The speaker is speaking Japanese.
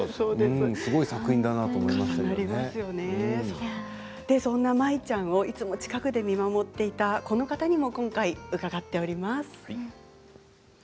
すごい作品だとそんな舞ちゃんをいつも近くで見守っていた、この方にも伺っています。